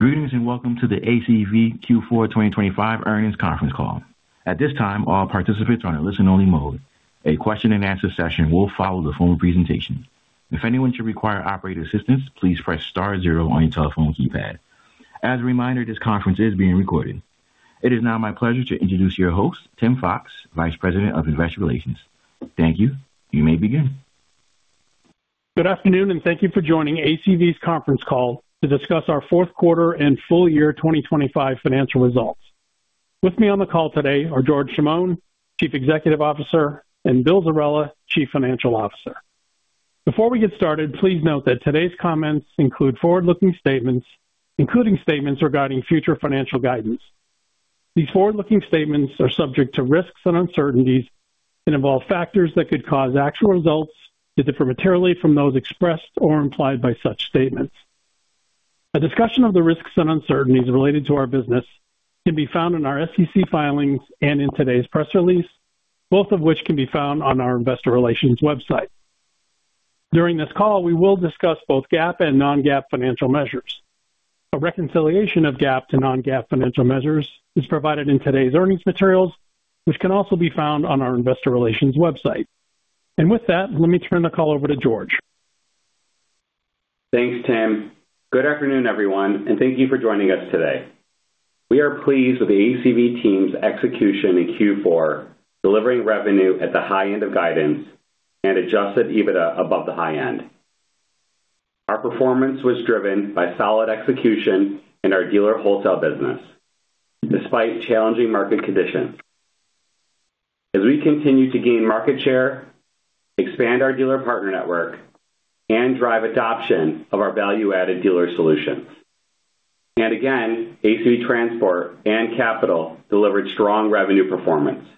Greetings, and welcome to the ACV Q4 2025 earnings conference call. At this time, all participants are on a listen-only mode. A question-and-answer session will follow the formal presentation. If anyone should require operator assistance, please press star zero on your telephone keypad. As a reminder, this conference is being recorded. It is now my pleasure to introduce your host, Tim Fox, Vice President of Investor Relations. Thank you. You may begin. Good afternoon, thank you for joining ACV's conference call to discuss our fourth quarter and full year 2025 financial results. With me on the call today are George Chamoun, Chief Executive Officer, and William Zerella, Chief Financial Officer. Before we get started, please note that today's comments include forward-looking statements, including statements regarding future financial guidance. These forward-looking statements are subject to risks and uncertainties and involve factors that could cause actual results to differ materially from those expressed or implied by such statements. A discussion of the risks and uncertainties related to our business can be found in our SEC filings and in today's press release, both of which can be found on our investor relations website. During this call, we will discuss both GAAP and non-GAAP financial measures. A reconciliation of GAAP to non-GAAP financial measures is provided in today's earnings materials, which can also be found on our investor relations website. With that, let me turn the call over to George. Thanks, Tim. Good afternoon, everyone, and thank you for joining us today. We are pleased with the ACV team's execution in Q4, delivering revenue at the high end of guidance and Adjusted EBITDA above the high end. Our performance was driven by solid execution in our dealer wholesale business, despite challenging market conditions. As we continue to gain market share, expand our dealer partner network, and drive adoption of our value-added dealer solutions. Again, ACV Transport and Capital delivered strong revenue performance.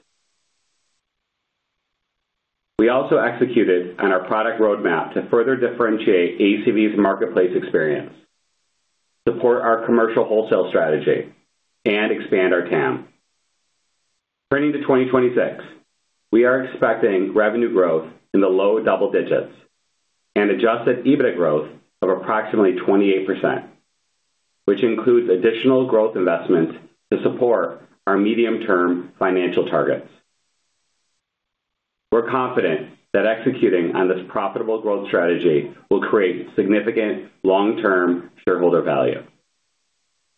We also executed on our product roadmap to further differentiate ACV's marketplace experience, support our commercial wholesale strategy, and expand our TAM. Turning to 2026, we are expecting revenue growth in the low double digits and Adjusted EBITDA growth of approximately 28%, which includes additional growth investments to support our medium-term financial targets. We're confident that executing on this profitable growth strategy will create significant long-term shareholder value.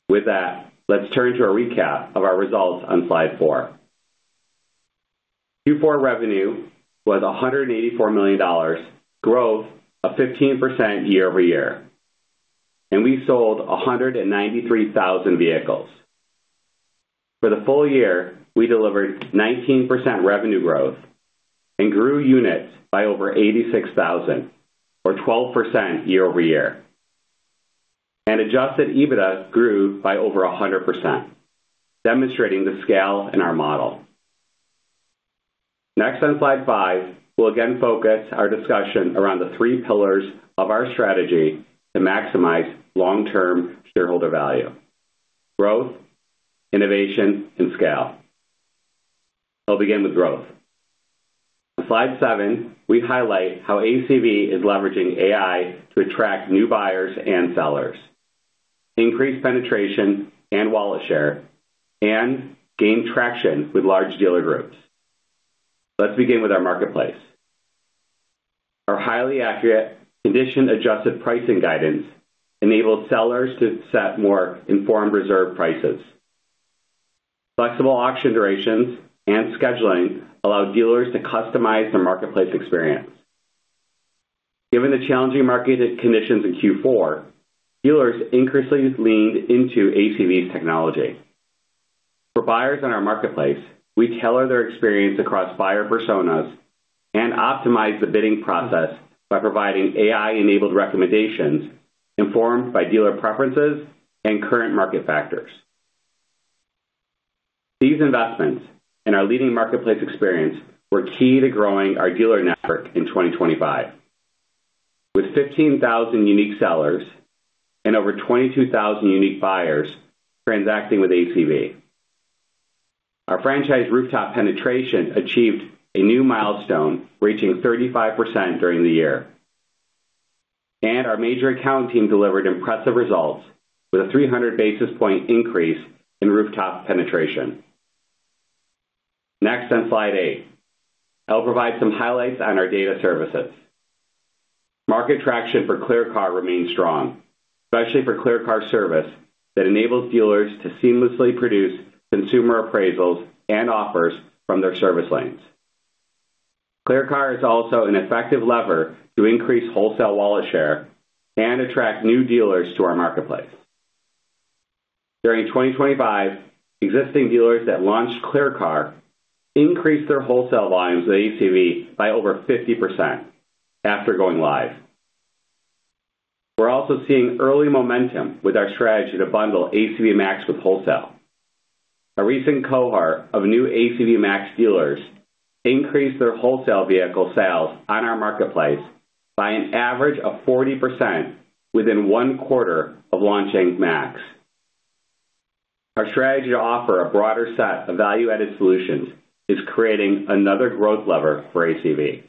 With that, let's turn to a recap of our results on slide four. Q4 revenue was $184 million, growth of 15% year-over-year. We sold 193,000 vehicles. For the full year, we delivered 19% revenue growth and grew units by over 86,000, or 12% year-over-year. Adjusted EBITDA grew by over 100%, demonstrating the scale in our model. Next, on slide five, we'll again focus our discussion around the three pillars of our strategy to maximize long-term shareholder value: growth, innovation, and scale. I'll begin with growth. On slide seven, we highlight how ACV is leveraging AI to attract new buyers and sellers, increase penetration and wallet share, and gain traction with large dealer groups. Let's begin with our marketplace. Our highly accurate, condition-adjusted pricing guidance enabled sellers to set more informed reserve prices. Flexible auction durations and scheduling allowed dealers to customize their marketplace experience. Given the challenging market conditions in Q4, dealers increasingly leaned into ACV's technology. For buyers in our marketplace, we tailor their experience across buyer personas and optimize the bidding process by providing AI-enabled recommendations informed by dealer preferences and current market factors. These investments in our leading marketplace experience were key to growing our dealer network in 2025, with 15,000 unique sellers and over 22,000 unique buyers transacting with ACV. Our franchise rooftop penetration achieved a new milestone, reaching 35% during the year, and our major account team delivered impressive results with a 300 basis point increase in rooftop penetration. Next, on slide eight, I'll provide some highlights on our data services. Market traction for ClearCar remains strong, especially for ClearCar Service, that enables dealers to seamlessly produce consumer appraisals and offers from their service lanes. ClearCar is also an effective lever to increase wholesale wallet share and attract new dealers to our marketplace. During 2025, existing dealers that launched ClearCar increased their wholesale volumes at ACV by over 50% after going live. We're also seeing early momentum with our strategy to bundle ACV MAX with wholesale. A recent cohort of new ACV MAX dealers increased their wholesale vehicle sales on our marketplace by an average of 40% within one quarter of launching MAX. Our strategy to offer a broader set of value-added solutions is creating another growth lever for ACV....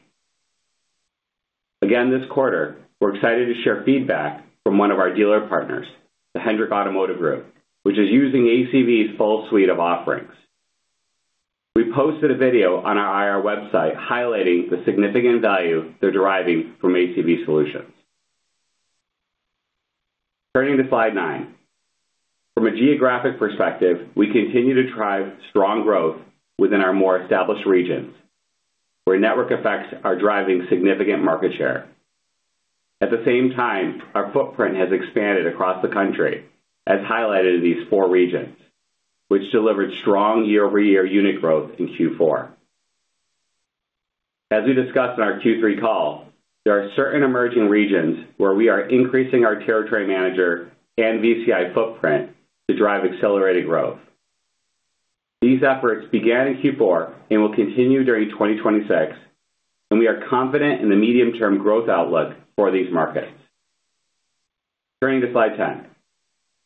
Again, this quarter, we're excited to share feedback from one of our dealer partners, the Hendrick Automotive Group, which is using ACV's full suite of offerings. We posted a video on our IR website highlighting the significant value they're deriving from ACV solutions. Turning to slide nine. From a geographic perspective, we continue to drive strong growth within our more established regions, where network effects are driving significant market share. At the same time, our footprint has expanded across the country, as highlighted in these four regions, which delivered strong year-over-year unit growth in Q4. As we discussed in our Q3 call, there are certain emerging regions where we are increasing our territory manager and VCI footprint to drive accelerated growth. These efforts began in Q4 and will continue during 2026. We are confident in the medium-term growth outlook for these markets. Turning to slide 10.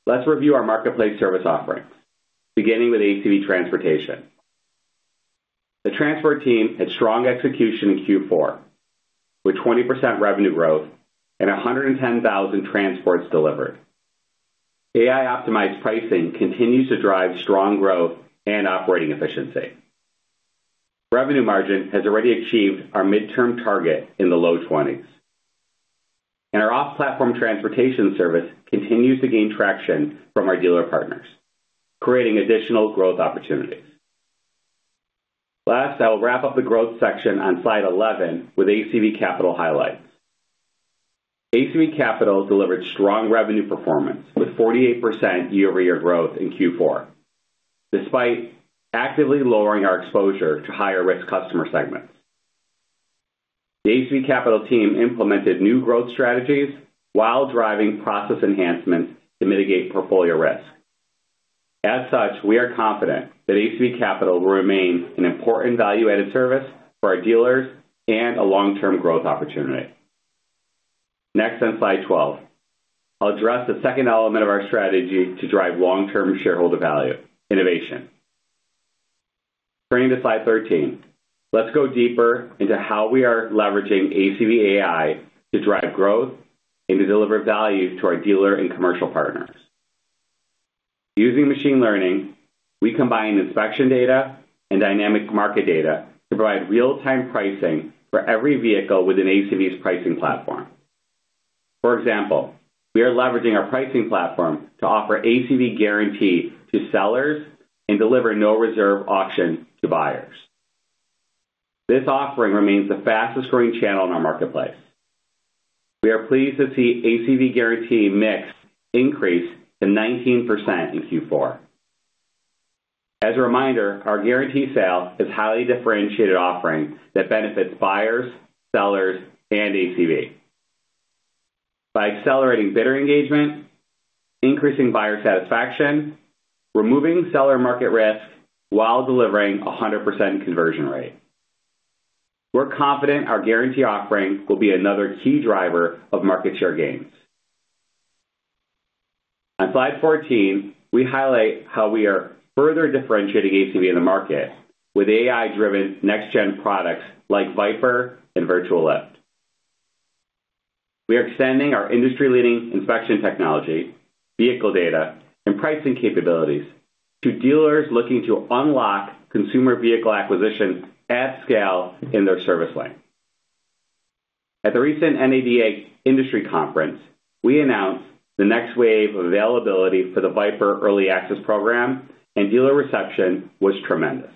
Let's review our marketplace service offerings, beginning with ACV Transportation. The transport team had strong execution in Q4, with 20% revenue growth and 110,000 transports delivered. AI-optimized pricing continues to drive strong growth and operating efficiency. Revenue margin has already achieved our midterm target in the low 20s, and our off-platform transportation service continues to gain traction from our dealer partners, creating additional growth opportunities. Last, I'll wrap up the growth section on slide 11 with ACV Capital highlights. ACV Capital delivered strong revenue performance, with 48% year-over-year growth in Q4, despite actively lowering our exposure to higher-risk customer segments. The ACV Capital team implemented new growth strategies while driving process enhancements to mitigate portfolio risk. As such, we are confident that ACV Capital will remain an important value-added service for our dealers and a long-term growth opportunity. Next, on slide 12, I'll address the second element of our strategy to drive long-term shareholder value, innovation. Turning to slide 13, let's go deeper into how we are leveraging ACV AI to drive growth and to deliver value to our dealer and commercial partners. Using machine learning, we combine inspection data and dynamic market data to provide real-time pricing for every vehicle within ACV's pricing platform. For example, we are leveraging our pricing platform to offer ACV Guarantee to sellers and deliver no reserve auction to buyers. This offering remains the fastest-growing channel in our marketplace. We are pleased to see ACV Guarantee mix increase to 19% in Q4. As a reminder, our guarantee sale is a highly differentiated offering that benefits buyers, sellers, and ACV. By accelerating bidder engagement, increasing buyer satisfaction, removing seller market risk, while delivering 100% conversion rate, we're confident our guarantee offering will be another key driver of market share gains. On slide 14, we highlight how we are further differentiating ACV in the market with AI-driven next-gen products like VIPER and Virtual Lift. We are extending our industry-leading inspection technology, vehicle data, and pricing capabilities to dealers looking to unlock consumer vehicle acquisition at scale in their service lane. At the recent NADA Industry Conference, we announced the next wave of availability for the VIPER Early Access Program. Dealer reception was tremendous.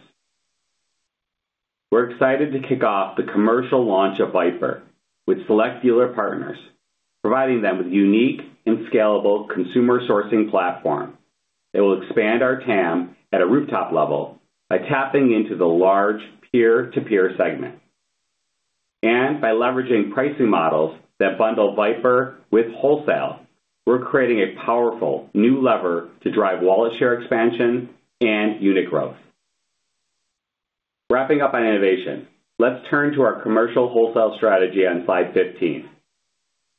We're excited to kick off the commercial launch of VIPER with select dealer partners, providing them with a unique and scalable consumer sourcing platform that will expand our TAM at a rooftop level by tapping into the large peer-to-peer segment. By leveraging pricing models that bundle VIPER with wholesale, we're creating a powerful new lever to drive wallet share expansion and unit growth. Wrapping up on innovation, let's turn to our commercial wholesale strategy on slide 15.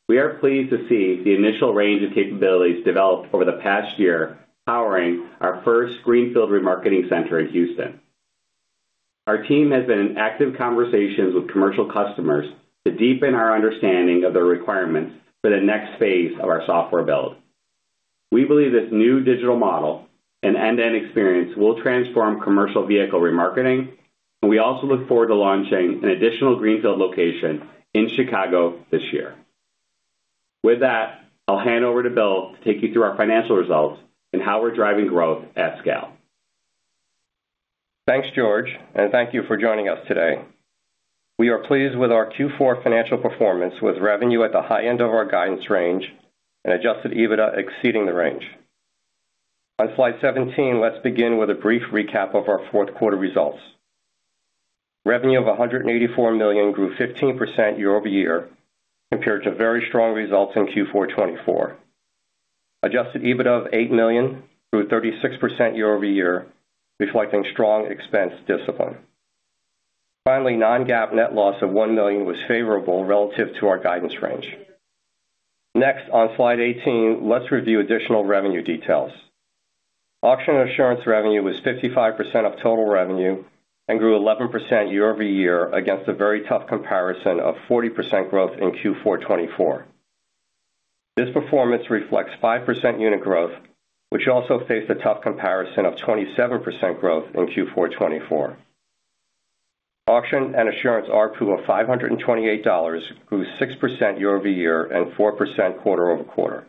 We are pleased to see the initial range of capabilities developed over the past year, powering our first greenfield remarketing center in Houston. Our team has been in active conversations with commercial customers to deepen our understanding of the requirements for the next phase of our software build. We believe this new digital model and end-to-end experience will transform commercial vehicle remarketing, and we also look forward to launching an additional greenfield location in Chicago this year. With that, I'll hand over to Bill to take you through our financial results and how we're driving growth at scale. Thanks, George, and thank you for joining us today. We are pleased with our Q4 financial performance, with revenue at the high end of our guidance range and Adjusted EBITDA exceeding the range. On slide 17, let's begin with a brief recap of our fourth quarter results. Revenue of $184 million grew 15% year-over-year, compared to very strong results in Q4 2024. Adjusted EBITDA of $8 million grew 36% year-over-year, reflecting strong expense discipline. Finally, non-GAAP net loss of $1 million was favorable relative to our guidance range. Next, on slide 18, let's review additional revenue details. Auction assurance revenue was 55% of total revenue and grew 11% year-over-year against a very tough comparison of 40% growth in Q4 2024. This performance reflects 5% unit growth, which also faced a tough comparison of 27% growth in Q4 2024. Auction and assurance ARPU of $528 grew 6% year-over-year and 4% quarter-over-quarter.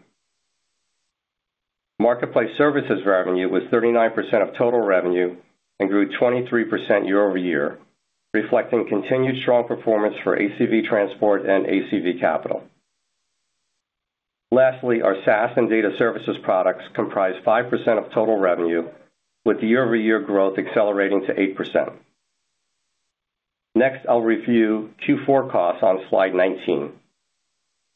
Marketplace services revenue was 39% of total revenue and grew 23% year-over-year, reflecting continued strong performance for ACV Transportation and ACV Capital. Lastly, our SaaS and data services products comprise 5% of total revenue, with year-over-year growth accelerating to 8%. Next, I'll review Q4 costs on slide 19.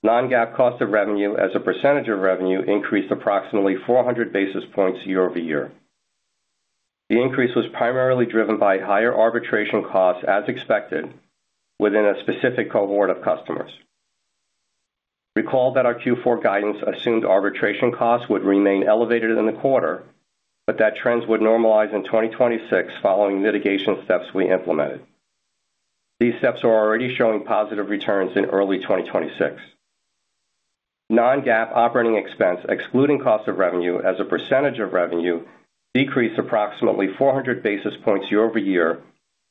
Non-GAAP cost of revenue as a percentage of revenue increased approximately 400 basis points year-over-year. The increase was primarily driven by higher arbitration costs, as expected, within a specific cohort of customers. Recall that our Q4 guidance assumed arbitration costs would remain elevated in the quarter, but that trends would normalize in 2026 following litigation steps we implemented. These steps are already showing positive returns in early 2026. Non-GAAP operating expense, excluding cost of revenue as a percentage of revenue, decreased approximately 400 basis points year-over-year,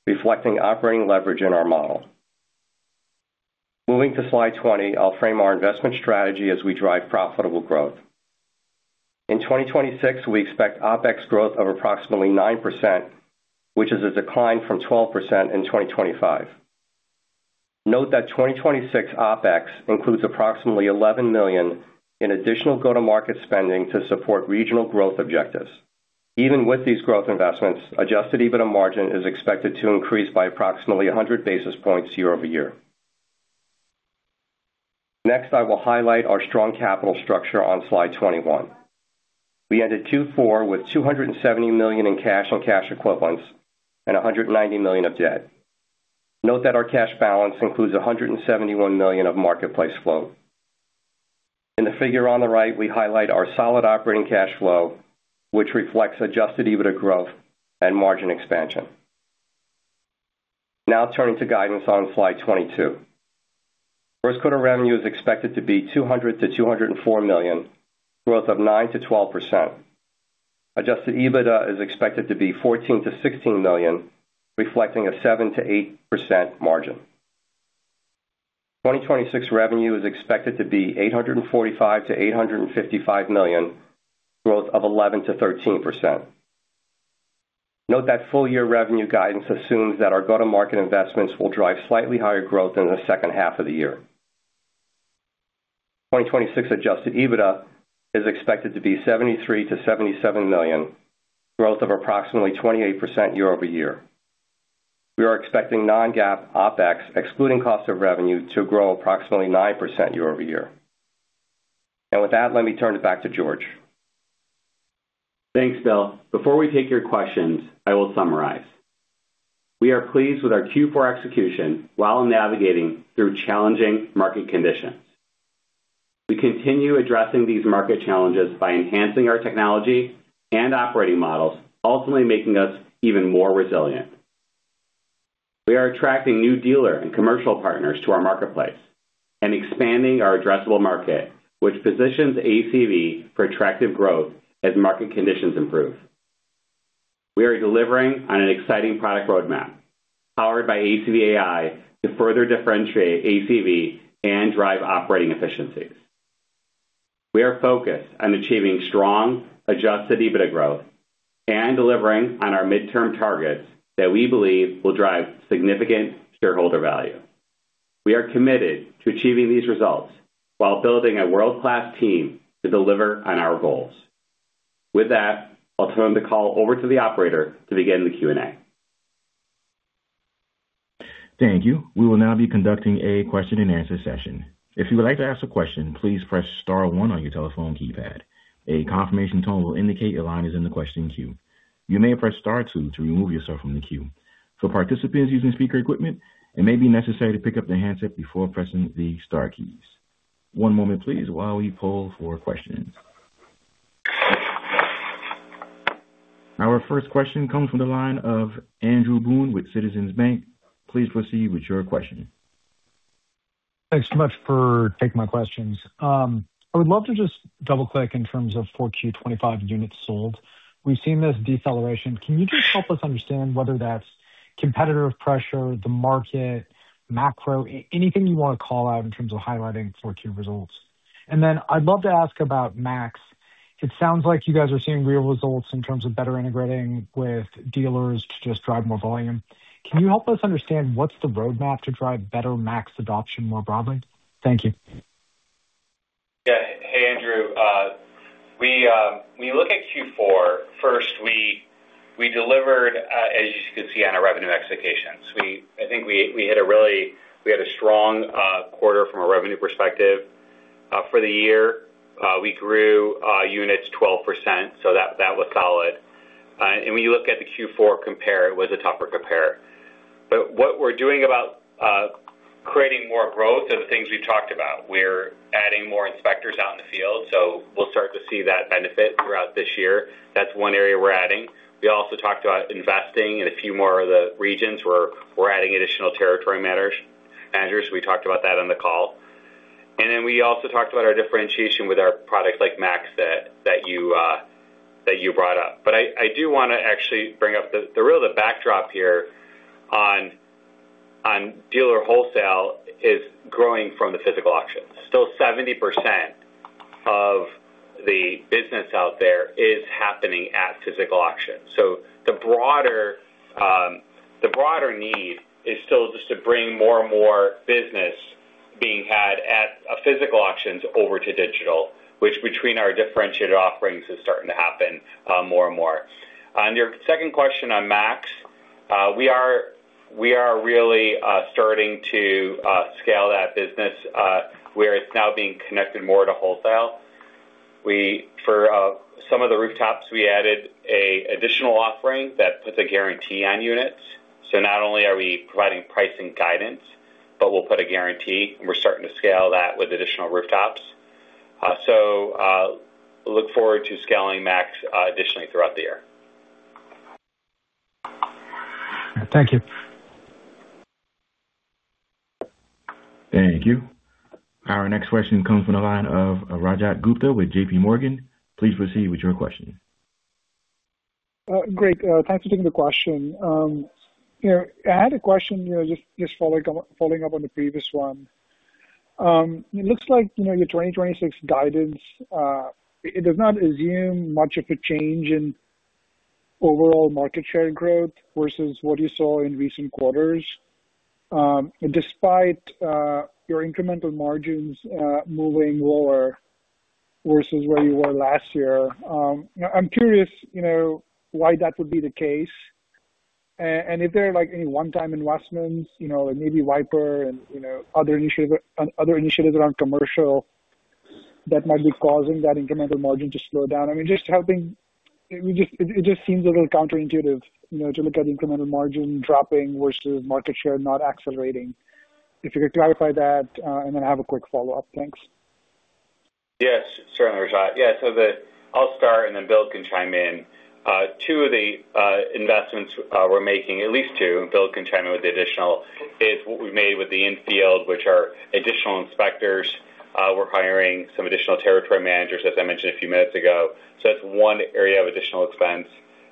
reflecting operating leverage in our model. Moving to slide 20, I'll frame our investment strategy as we drive profitable growth. In 2026, we expect OpEx growth of approximately 9%, which is a decline from 12% in 2025. Note that 2026 OpEx includes approximately $11 million in additional go-to-market spending to support regional growth objectives. Even with these growth investments, Adjusted EBITDA margin is expected to increase by approximately 100 basis points year-over-year. Next, I will highlight our strong capital structure on slide 21. We ended Q4 with $270 million in cash and cash equivalents and $190 million of debt. Note that our cash balance includes $171 million of marketplace float. In the figure on the right, we highlight our solid operating cash flow, which reflects Adjusted EBITDA growth and margin expansion. Turning to guidance on slide 22. First quarter revenue is expected to be $200 million-$204 million, growth of 9%-12%. Adjusted EBITDA is expected to be $14 million-$16 million, reflecting a 7%-8% margin. 2026 revenue is expected to be $845 million-$855 million, growth of 11%-13%. Note that full-year revenue guidance assumes that our go-to-market investments will drive slightly higher growth in the second half of the year. 2026 Adjusted EBITDA is expected to be $73 million-$77 million, growth of approximately 28% year-over-year. We are expecting non-GAAP OpEx, excluding cost of revenue, to grow approximately 9% year-over-year. With that, let me turn it back to George. Thanks, Bill. Before we take your questions, I will summarize. We are pleased with our Q4 execution while navigating through challenging market conditions. We continue addressing these market challenges by enhancing our technology and operating models, ultimately making us even more resilient. We are attracting new dealer and commercial partners to our marketplace and expanding our addressable market, which positions ACV for attractive growth as market conditions improve. We are delivering on an exciting product roadmap, powered by ACV AI, to further differentiate ACV and drive operating efficiencies. We are focused on achieving strong, Adjusted EBITDA growth and delivering on our midterm targets that we believe will drive significant shareholder value. We are committed to achieving these results while building a world-class team to deliver on our goals. With that, I'll turn the call over to the operator to begin the Q&A. Thank you. We will now be conducting a question-and-answer session. If you would like to ask a question, please press star one on your telephone keypad. A confirmation tone will indicate your line is in the question queue. You may press star two to remove yourself from the queue. For participants using speaker equipment, it may be necessary to pick up the handset before pressing the star keys. One moment, please, while we poll for questions. Our first question comes from the line of Andrew Boone with Citizens JMP. Please proceed with your question. Thanks so much for taking my questions. I would love to just double-click in terms of 4Q 2025 units sold. We've seen this deceleration. Can you just help us understand whether that's competitive pressure, the market, macro, anything you want to call out in terms of highlighting 4Q results? Then I'd love to ask about ACV MAX. It sounds like you guys are seeing real results in terms of better integrating with dealers to just drive more volume. Can you help us understand what's the roadmap to drive better ACV MAX adoption more broadly? Thank you. Yeah. Hey, Andrew. When you look at Q4, first, we, we delivered, as you can see, on our revenue expectations. I think we, we hit a really. We had a strong quarter from a revenue perspective. For the year, we grew, units 12%, so that, that was solid. When you look at the Q4 compare, it was a tougher compare. What we're doing about creating more growth are the things we've talked about. We're adding more inspectors out in the field, so we'll start to see that benefit throughout this year. That's one area we're adding. We also talked about investing in a few more of the regions where we're adding additional territory managers. We talked about that on the call. Then we also talked about our differentiation with our products like ACV MAX, that, that you, that you brought up. I, I do want to actually bring up the, the real, the backdrop here on, on dealer wholesale is growing from the physical auctions. Still, 70% of the business out there is happening at physical auctions. The broader, the broader need is still just to bring more and more business being had at physical auctions over to digital, which between our differentiated offerings, is starting to happen more and more. On your second question on MAX, we are, we are really starting to scale that business where it's now being connected more to wholesale. For some of the rooftops, we added a additional offering that puts a guarantee on units. Not only are we providing pricing guidance, but we'll put a guarantee, and we're starting to scale that with additional rooftops. Look forward to scaling MAX additionally throughout the year. Thank you. Thank you. Our next question comes from the line of Rajat Gupta with JPMorgan. Please proceed with your question. Great. Thanks for taking the question. You know, I had a question, you know, just, just following, following up on the previous one. It looks like, you know, the 2026 guidance, it does not assume much of a change in overall market share growth versus what you saw in recent quarters. Despite your incremental margins moving lower versus where you were last year, I'm curious, you know, why that would be the case? And if there are, like, any one-time investments, you know, maybe VIPER and, you know, other initiatives, other initiatives around commercial that might be causing that incremental margin to slow down. I mean, it just seems a little counterintuitive, you know, to look at incremental margin dropping versus market share not accelerating. If you could clarify that, and then I have a quick follow-up. Thanks. Yes, certainly, Rajat. I'll start, and then Bill can chime in. Two of the investments we're making, at least two, and Bill can chime in with the additional, is what we made with the in-field, which are additional inspectors. We're hiring some additional territory managers, as I mentioned a few minutes ago. That's one area of additional expense,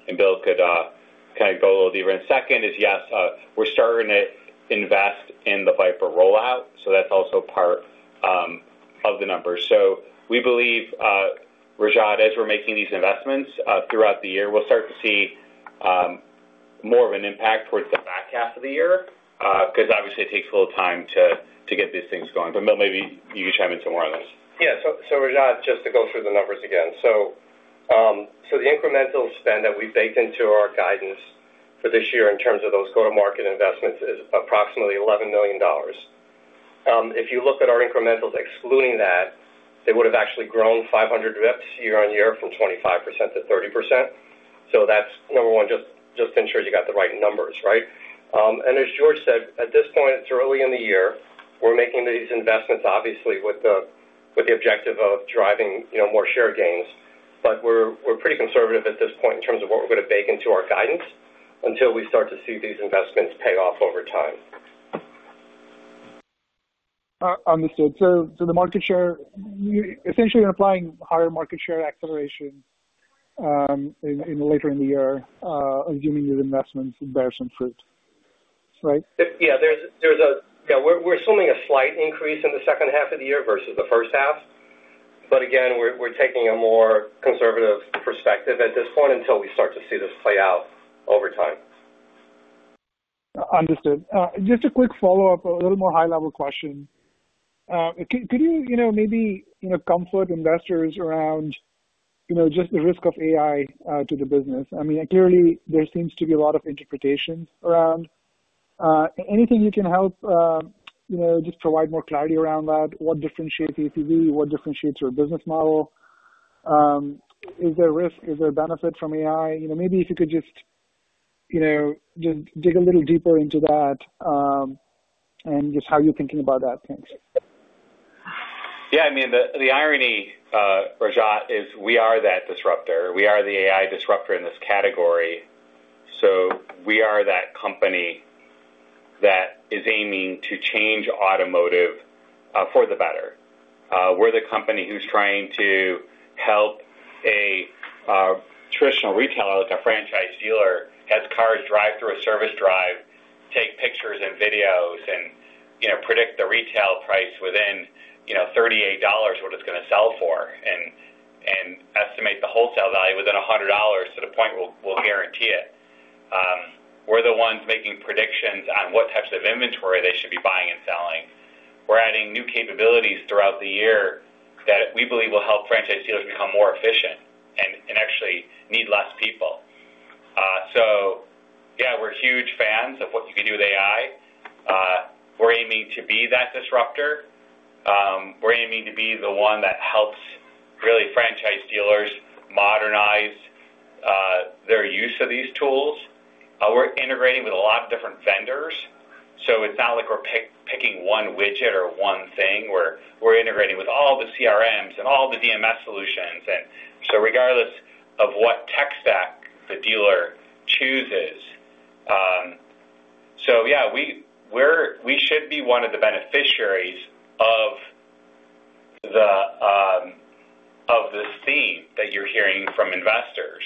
and Bill could kind of go a little deeper. Second is, yes, we're starting to invest in the VIPER rollout, that's also part of the numbers. We believe, Rajat, as we're making these investments throughout the year, we'll start to see more of an impact towards the back half of the year, because obviously it takes a little time to get these things going. Bill, maybe you can chime in some more on this. Yeah. Rajat, just to go through the numbers again. The incremental spend that we baked into our guidance for this year in terms of those go-to-market investments is approximately $11 million. If you look at our incrementals, excluding that, they would have actually grown 500 reps year-over-year from 25%-30%. That's, number one, just ensure you got the right numbers, right? As George said, at this point, it's early in the year. We're making these investments obviously with the objective of driving, you know, more share gains. We're, we're pretty conservative at this point in terms of what we're going to bake into our guidance until we start to see these investments pay off over time. understood. So the market share, essentially, you're implying higher market share acceleration, in, later in the year, assuming your investments bear some fruit. Right? We're assuming a slight increase in the second half of the year versus the first half. Again, we're taking a more conservative perspective at this point until we start to see this play out over time. Understood. Just a quick follow-up, a little more high-level question. Could, could you, you know, maybe, you know, comfort investors around, you know, just the risk of AI to the business? I mean, clearly, there seems to be a lot of interpretations around. Anything you can help, you know, just provide more clarity around that. What differentiates ACV? What differentiates your business model? Is there a risk, is there a benefit from AI? You know, maybe if you could just, you know, just dig a little deeper into that, and just how you're thinking about that. Thanks. Yeah, I mean, the irony, Rajat, is we are that disruptor. We are the AI disruptor in this category, so we are that company that is aiming to change automotive for the better. We're the company who's trying to help a traditional retailer, like a franchise dealer, as cars drive through a service drive, take pictures and videos and, you know, predict the retail price within, you know, $38, what it's going to sell for, and estimate the wholesale value within $100 to the point we'll guarantee it. We're the ones making predictions on what types of inventory they should be buying and selling. We're adding new capabilities throughout the year that we believe will help franchise dealers become more efficient and actually need less people. Yeah, we're huge fans of what you can do with AI. We're aiming to be that disruptor. We're aiming to be their use of these tools. We're integrating with a lot of different vendors, so it's not like we're picking one widget or one thing. We're integrating with all the CRMs and all the DMS solutions. Regardless of what tech stack the dealer chooses, yeah, we're, we should be one of the beneficiaries of the, of this theme that you're hearing from investors,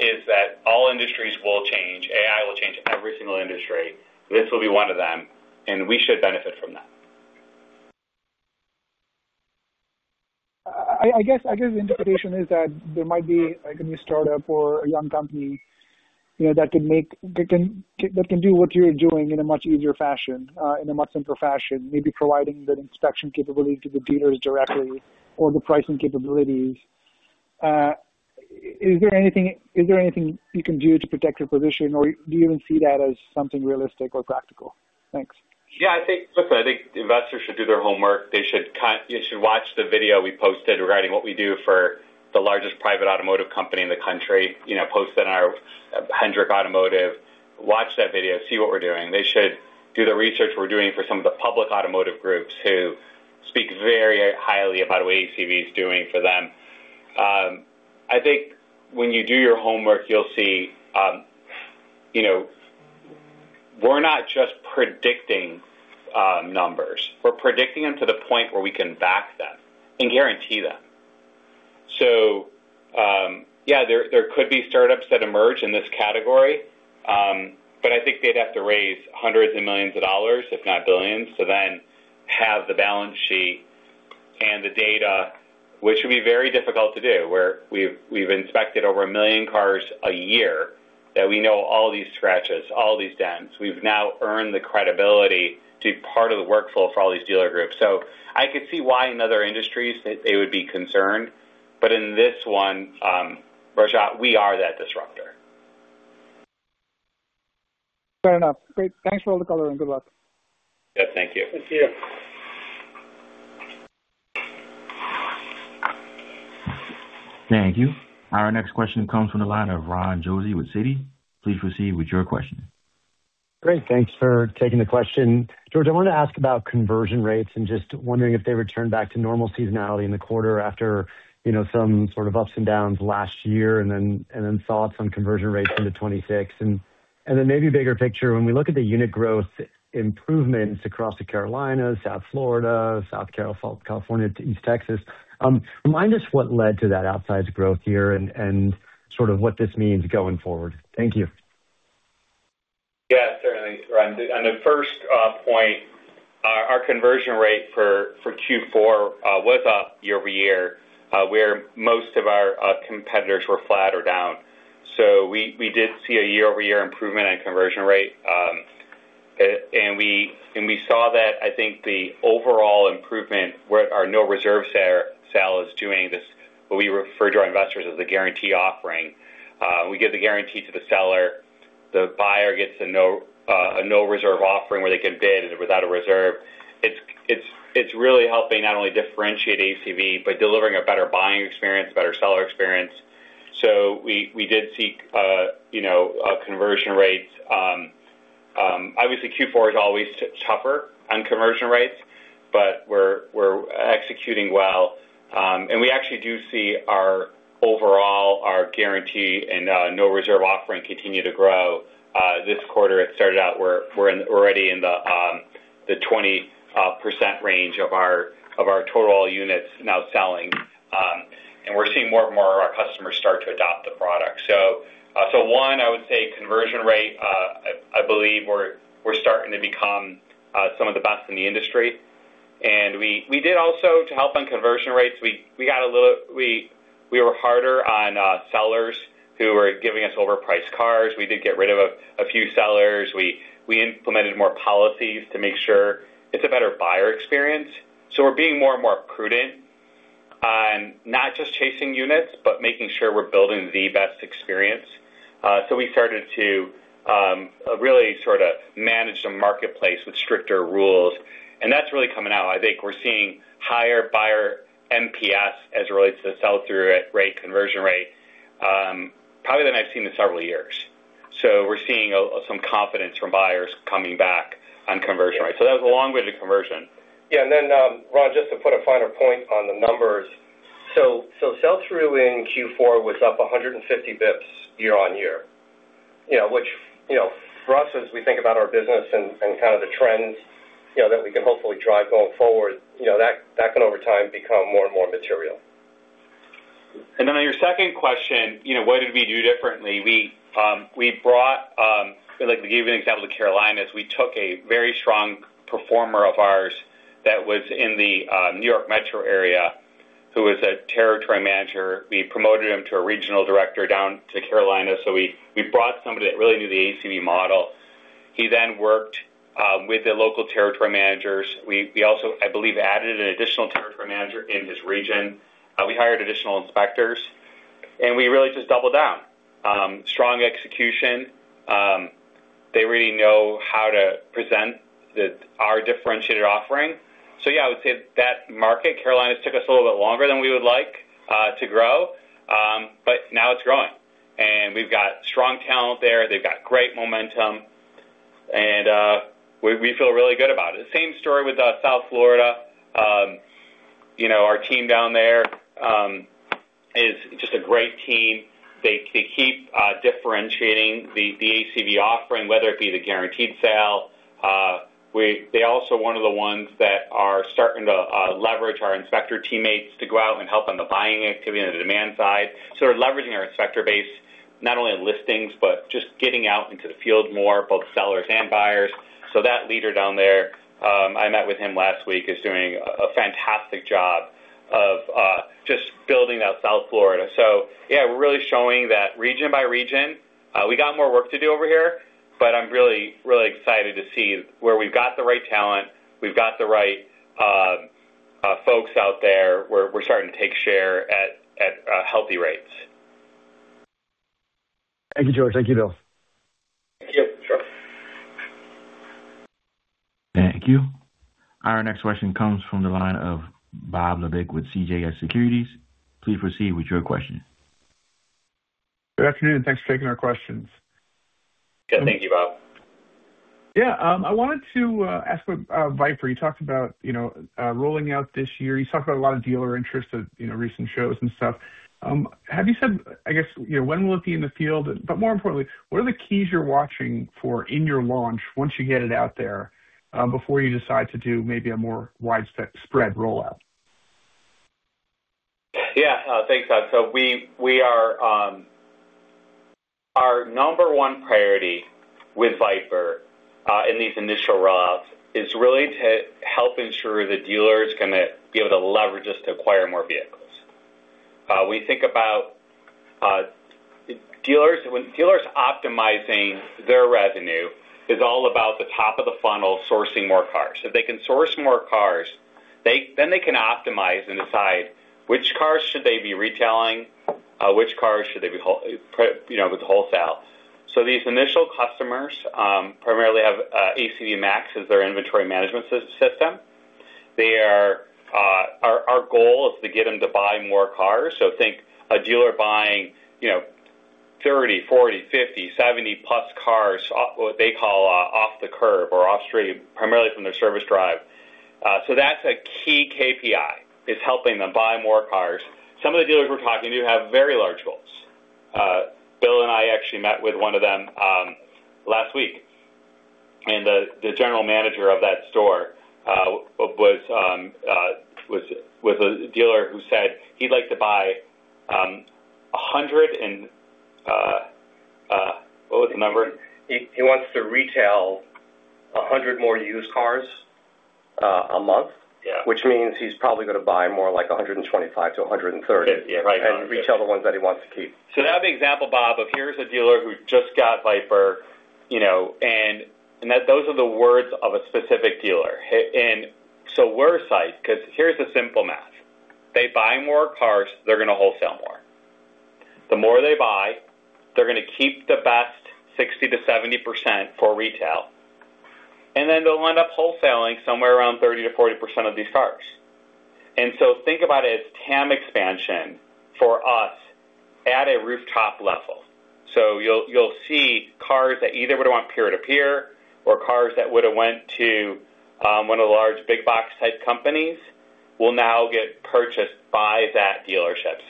is that all industries will change. AI will change every single industry. This will be one of them, and we should benefit from that. I guess, I guess the interpretation is that there might be like a new startup or a young company, you know, that can, that can do what you're doing in a much easier fashion, in a much simpler fashion, maybe providing that inspection capability to the dealers directly or the pricing capabilities. Is there anything, is there anything you can do to protect your position, or do you even see that as something realistic or practical? Thanks. Yeah, I think, look, I think investors should do their homework. They should watch the video we posted regarding what we do for the largest private automotive company in the country, you know, posted on our Hendrick Automotive. Watch that video, see what we're doing. They should do the research we're doing for some of the public automotive groups who speak very highly about what ACV is doing for them. I think when you do your homework, you'll see, you know, we're not just predicting numbers. We're predicting them to the point where we can back them and guarantee them. Yeah, there, there could be startups that emerge in this category, but I think they'd have to raise hundreds of millions of dollars, if not billions, to then have the balance sheet and the data, which would be very difficult to do, where we've, we've inspected over 1 million cars a year, that we know all these scratches, all these dents. We've now earned the credibility to be part of the workflow for all these dealer groups. I could see why in other industries they, they would be concerned. In this one, Rajat, we are that disruptor. Fair enough. Great. Thanks for all the color, and good luck. Yeah, thank you. Thank you. Thank you. Our next question comes from the line of Ronald Josey with Citi. Please proceed with your question. Great, thanks for taking the question. George, I wanted to ask about conversion rates and just wondering if they returned back to normal seasonality in the quarter after, you know, some sort of ups and downs last year and then, and then saw some conversion rates into 26. Then maybe bigger picture, when we look at the unit growth improvements across the Carolinas, South Florida, Southern California to East Texas, remind us what led to that outsized growth year and, and sort of what this means going forward? Thank you. Yeah, certainly, Ron. On the first point, our conversion rate for Q4 was up year-over-year, where most of our competitors were flat or down. We did see a year-over-year improvement on conversion rate. And we saw that, I think, the overall improvement where our no reserve sale is doing this, what we refer to our investors as the guarantee offering. We give the guarantee to the seller. The buyer gets a no, a no reserve offering where they can bid without a reserve. It's, it's, it's really helping not only differentiate ACV, but delivering a better buying experience, better seller experience. We did see, you know, conversion rates. Obviously, Q4 is always tougher on conversion rates, but we're executing well. We actually do see our overall, our guarantee and no reserve offering continue to grow. This quarter, it started out we're already in the 20% range of our total units now selling. We're seeing more and more of our customers start to adopt the product. One, I would say conversion rate, I believe we're starting to become some of the best in the industry. We, we did also, to help on conversion rates, we, we got a little, we were harder on sellers who were giving us overpriced cars. We did get rid of a few sellers. We, we implemented more policies to make sure it's a better buyer experience. We're being more and more prudent on not just chasing units, but making sure we're building the best experience. We started to really sort of manage the marketplace with stricter rules, and that's really coming out. I think we're seeing higher buyer NPS as it relates to the sell-through rate, conversion rate, probably than I've seen in several years. We're seeing a, some confidence from buyers coming back on conversion rates. That was a long-winded conversion. Yeah, Ron, just to put a finer point on the numbers. So sell-through in Q4 was up 150 Bps year-on-year. You know, which, you know, for us, as we think about our business and, and kind of the trends, you know, that we can hopefully drive going forward, you know, that, that can over time become more and more material. Then on your second question, you know, what did we do differently? We, we brought, like, to give you an example of the Carolinas, we took a very strong performer of ours that was in the New York metro area, who was a territory manager. We promoted him to a regional director down to Carolina, so we, we brought somebody that really knew the ACV model. He then worked with the local territory managers. We, we also, I believe, added an additional territory manager in his region. We hired additional inspectors, and we really just doubled down. Strong execution how to present the, our differentiated offering. Yeah, I would say that market, Carolinas, took us a little bit longer than we would like to grow, but now it's growing. We've got strong talent there. They've got great momentum, and we, we feel really good about it. The same story with South Florida. You know, our team down there is just a great team. They, they keep differentiating the ACV offering, whether it be the guaranteed sale. They're also one of the ones that are starting to leverage our inspector teammates to go out and help on the buying activity on the demand side. We're leveraging our inspector base, not only in listings, but just getting out into the field more, both sellers and buyers. That leader down there, I met with him last week, is doing a fantastic job of just building out South Florida. Yeah, we're really showing that region by region. We got more work to do over here, but I'm really, really excited to see where we've got the right talent. We've got the right folks out there. We're, we're starting to take share at, at healthy rates. Thank you, George. Thank you, Bill. Thank you. Sure. Thank you. Our next question comes from the line of Bob Labick with CJS Securities. Please proceed with your question. Good afternoon, thanks for taking our questions. Good. Thank you, Bob. Yeah, I wanted to ask about VIPER. You talked about, you know, rolling out this year. You talked about a lot of dealer interest at, you know, recent shows and stuff. Have you said, I guess, you know, when will it be in the field? More importantly, what are the keys you're watching for in your launch once you get it out there, before you decide to do maybe a more widespread rollout? Yeah. Thanks, Bob. We, we are... Our number one priority with VIPER in these initial rollouts is really to help ensure the dealer is going to be able to leverage us to acquire more vehicles. We think about dealers. When dealers optimizing their revenue is all about the top of the funnel, sourcing more cars. If they can source more cars, then they can optimize and decide which cars should they be retailing, which cars should they be whole, you know, with wholesale. These initial customers primarily have ACV MAX as their inventory management system. They are, our, our goal is to get them to buy more cars. Think a dealer buying, you know, 30, 40, 50, 70-plus cars, off, what they call, off the curb or off street, primarily from their service drive. That's a key KPI, is helping them buy more cars. Some of the dealers we're talking to have very large goals. Bill and I actually met with one of them last week, and the general manager of that store was a dealer who said he'd like to buy 100 and what was the number? He, he wants to retail 100 more used cars, a month. Yeah. Which means he's probably going to buy more like 125 to 130- Yeah. Right. Retail the ones that he wants to keep. That's the example, Bob, of here's a dealer who just got VIPER, you know, and, and that those are the words of a specific dealer. We're excited because here's the simple math: They buy more cars, they're going to wholesale more. The more they buy, they're going to keep the best 60%-70% for retail, and then they'll end up wholesaling somewhere around 30%-40% of these cars. Think about it as TAM expansion for us at a rooftop level. You'll, you'll see cars that either would have went peer-to-peer, or cars that would have went to, one of the large big box type companies, will now get purchased by that dealership.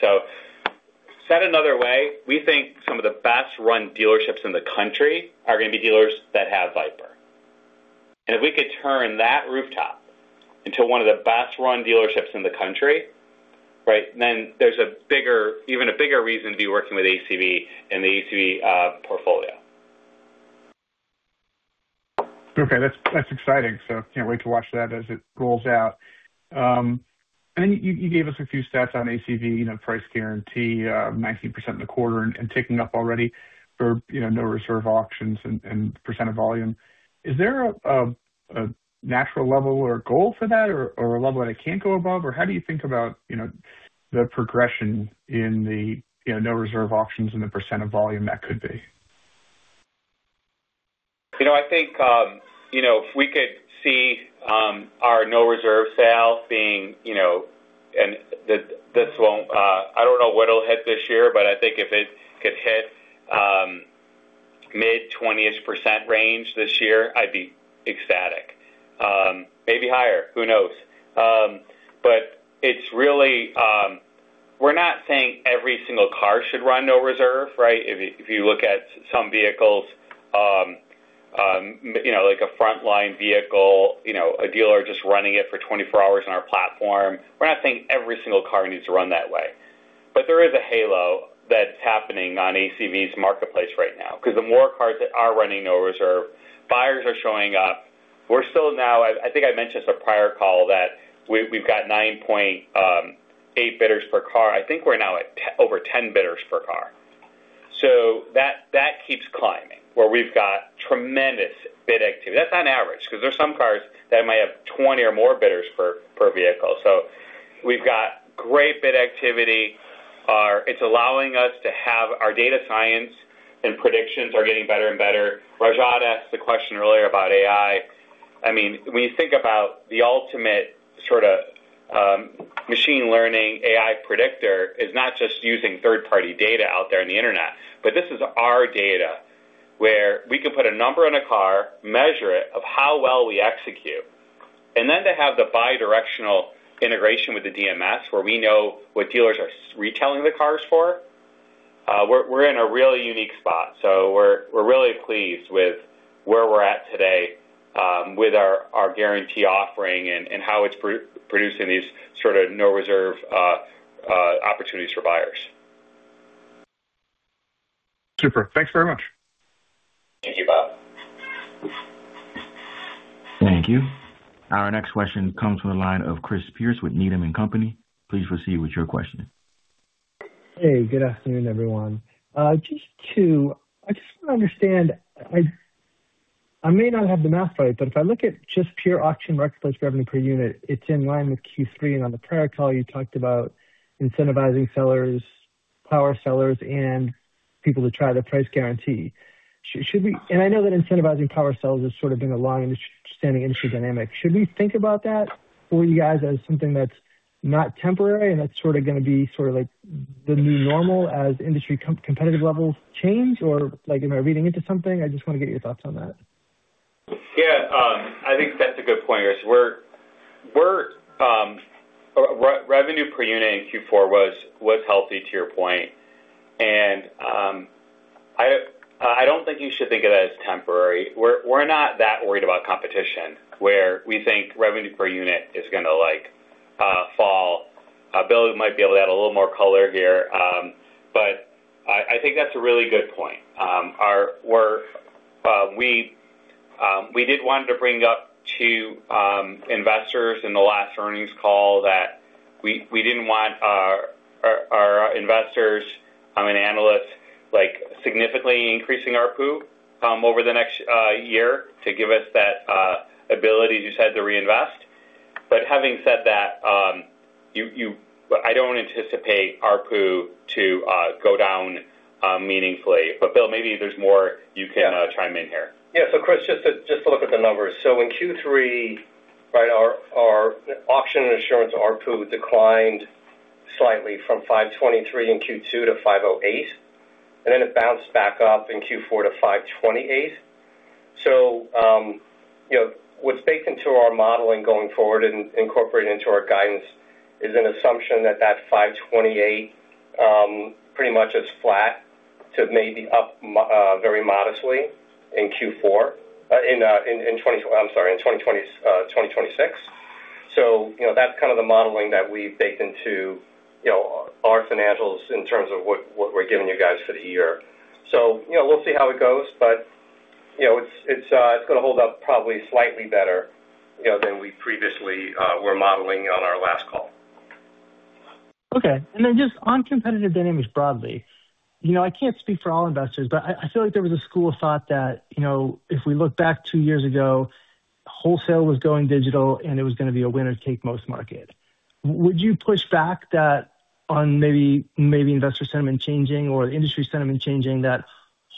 Said another way, we think some of the best run dealerships in the country are going to be dealers that have VIPER. If we could turn that rooftop into one of the best run dealerships in the country, right, then there's a bigger, even a bigger reason to be working with ACV and the ACV portfolio. Okay, that's, that's exciting. Can't wait to watch that as it rolls out. And then you, you gave us a few stats on ACV, you know, price guarantee, 19% in the quarter and ticking up already for, you know, no reserve auctions and, and percent of volume. Is there a, a natural level or goal for that or, or a level that it can't go above? Or how do you think about, you know, the progression in the, you know, no reserve auctions and the percent of volume that could be? You know, I think, you know, if we could see our no reserve sales being, you know, and this, this won't... I don't know what it'll hit this year, but I think if it could hit mid-20% range this year, I'd be ecstatic. Maybe higher, who knows? It's really, we're not saying every single car should run no reserve, right? If you, if you look at some vehicles, you know, like a frontline vehicle, you know, a dealer just running it for 24 hours on our platform. We're not saying every single car needs to run that way, but there is a halo that's happening on ACV's marketplace right now, because the more cars that are running no reserve, buyers are showing up. We're still now... I think I mentioned this a prior call, that we, we've got 9.8 bidders per car. I think we're now at over 10 bidders per car. That, that keeps climbing, where we've got tremendous bid activity. That's on average, because there's some cars that might have 20 or more bidders per vehicle. We've got great bid activity. It's allowing us to have our data science, and predictions are getting better and better. Rajat asked the question earlier about AI. I mean, when you think about the ultimate sort of machine learning, AI predictor is not just using third-party data out there in the internet, but this is our data, where we can put a number on a car, measure it of how well we execute. Then to have the bidirectional integration with the DMS, where we know what dealers are retailing the cars for, we're, we're in a really unique spot. We're, we're really pleased with where we're at today, with our, our guarantee offering and, and how it's producing these sort of no reserve opportunities for buyers. Super, thanks very much. Thank you, Bob. Thank you. Our next question comes from the line of Chris Pierce with Needham & Company. Please proceed with your question. Hey, good afternoon, everyone. Just to... I just want to understand, I, I may not have the math right, but if I look at just pure auction marketplace revenue per unit, it's in line with Q3. On the prior call, you talked about incentivizing sellers, power sellers, and people to try the price guarantee. I know that incentivizing power sellers has sort of been a long-standing industry dynamic. Should we think about that for you guys as something that's not temporary and that's sort of gonna be sort of like the new normal as industry competitive levels change? Like, am I reading into something? I just want to get your thoughts on that. Yeah, I think that's a good point, Chris. We're, we're revenue per unit in Q4 was healthy, to your point. I, I don't think you should think of that as temporary. We're, we're not that worried about competition, where we think revenue per unit is gonna, like, fall. Bill might be able to add a little more color here, but I, I think that's a really good point. We're, we, we did want to bring up to investors in the last earnings call that we, we didn't want our, our, our investors and analysts, like, significantly increasing ARPU over the next year to give us that ability you just had to reinvest. Having said that, you, you-- I don't anticipate ARPU to go down meaningfully. Bill, maybe there's more you can chime in here. Yeah. Chris, just to, just to look at the numbers. In Q3, right, our auction and insurance ARPU declined slightly from $523 in Q2 to $508, then it bounced back up in Q4 to $528. You know, what's baked into our modeling going forward and incorporated into our guidance is an assumption that that $528 pretty much is flat to maybe up very modestly in Q4, I'm sorry, in 2026. You know, that's kind of the modeling that we've baked into, you know, our financials in terms of what, what we're giving you guys for the year. you know, we'll see how it goes, but, you know, it's, it's, it's gonna hold up probably slightly better, you know, than we previously, were modeling on our last call. Okay. Then just on competitive dynamics broadly, you know, I can't speak for all investors, but I, I feel like there was a school of thought that, you know, if we look back two years ago, wholesale was going digital, and it was gonna be a winner-take-most market. Would you push back that on maybe, maybe investor sentiment changing or industry sentiment changing, that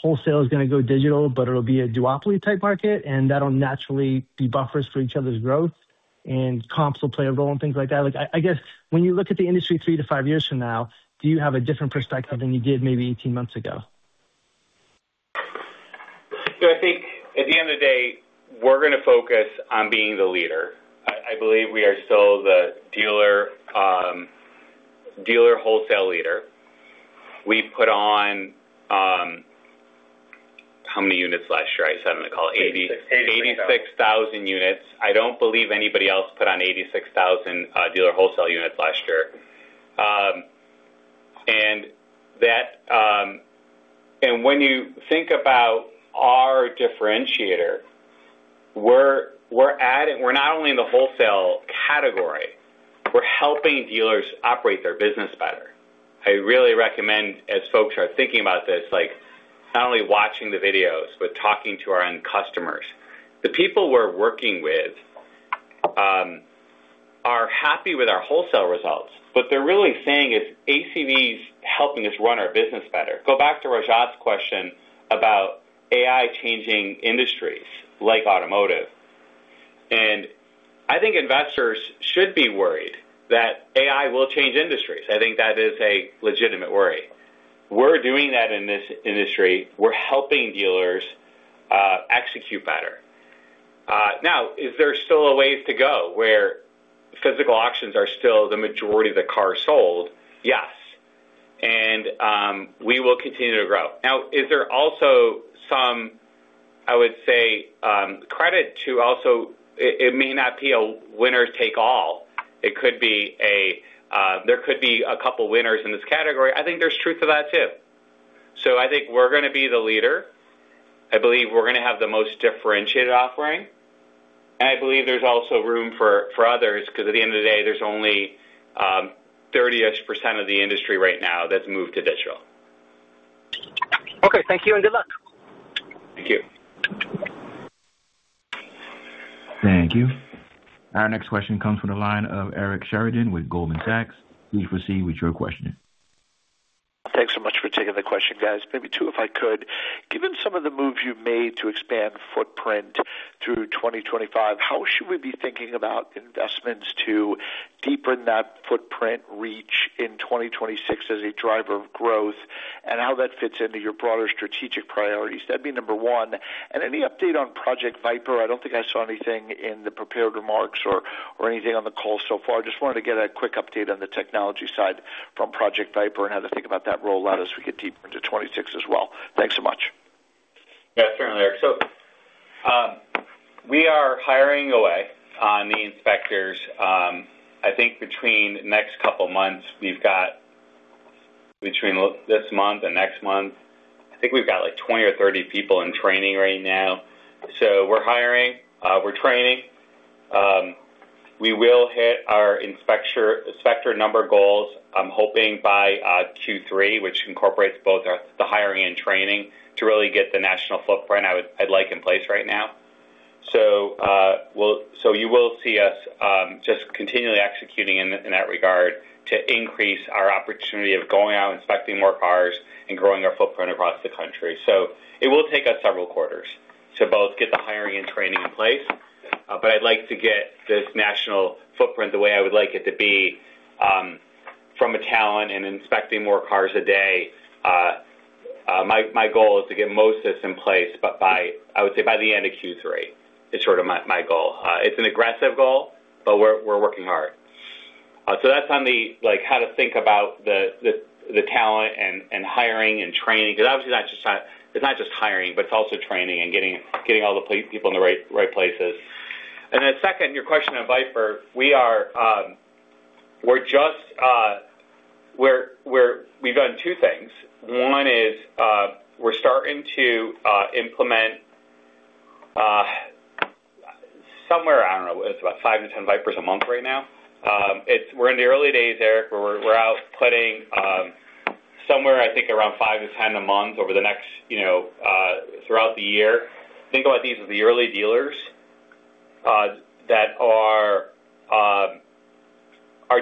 wholesale is gonna go digital, but it'll be a duopoly-type market, and that'll naturally be buffers for each other's growth, and comps will play a role and things like that? Like, I, I guess when you look at the industry three to five years from now, do you have a different perspective than you did maybe 18 months ago? You know, I think at the end of the day, we're gonna focus on being the leader. I, I believe we are still the dealer, dealer wholesale leader. We put on, how many units last year? I saw him call eighty- Eighty-six. 86,000 units. I don't believe anybody else put on 86,000 dealer wholesale units last year. When you think about our differentiator, we're, we're adding-- we're not only in the wholesale category, we're helping dealers operate their business better. I really recommend, as folks are thinking about this, like, not only watching the videos, but talking to our own customers. The people we're working with, are happy with our wholesale results, but they're really saying is, "ACV's helping us run our business better." Go back to Rajat's question about AI changing industries like automotive, and I think investors should be worried that AI will change industries. I think that is a legitimate worry. We're doing that in this industry. We're helping dealers execute better. Is there still a ways to go, where physical auctions are still the majority of the cars sold? Yes, we will continue to grow. Is there also some, I would say, credit to also... it may not be a winner take all. It could be there could be a couple winners in this category. I think there's truth to that, too. I think we're gonna be the leader. I believe we're gonna have the most differentiated offering, I believe there's also room for, for others, 'cause at the end of the day, there's only 30-ish% of the industry right now that's moved to digital. Okay, thank you, and good luck. Thank you. Thank you. Our next question comes from the line of Eric Sheridan with Goldman Sachs. Please proceed with your question. Thanks so much for taking the question, guys. Maybe two, if I could. Given some of the moves you've made to expand footprint through 2025, how should we be thinking about investments to deepen that footprint reach in 2026 as a driver of growth, and how that fits into your broader strategic priorities? That'd be number one. Any update on Project VIPER? I don't think I saw anything in the prepared remarks or, or anything on the call so far. Just wanted to get a quick update on the technology side from Project VIPER and how to think about that rollout as we get deeper into 2026 as well. Thanks so much. Yeah, certainly, Eric. We are hiring away on the inspectors. I think between next couple of months, we've got between this month and next month, I think we've got, like, 20 or 30 people in training right now. We're hiring, we're training. We will hit our inspector, inspector number goals, I'm hoping by Q3, which incorporates both our, the hiring and training to really get the national footprint I'd like in place right now. You will see us just continually executing in that regard to increase our opportunity of going out, inspecting more cars and growing our footprint across the country. It will take us several quarters to both get the hiring and training in place. I'd like to get this national footprint the way I would like it to be, from a talent and inspecting more cars a day. My, my goal is to get most of this in place, but by, I would say by the end of Q3, is sort of my, my goal. It's an aggressive goal, but we're, we're working hard. That's on the like, how to think about the, the, the talent and, and hiring and training, because obviously, it's not just, it's not just hiring, but it's also training and getting, getting all the people in the right, right places. Then second, your question on VIPER. We are, we're just, we've done two things. One is, we're starting to implement somewhere, I don't know, it's about five to 10 VIPERs a month right now. We're in the early days, Eric. We're, we're out putting somewhere, I think, around five to 10 a month over the next, you know, throughout the year. Think about these as the early dealers that are